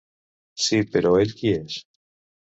Sí, però ell qui és?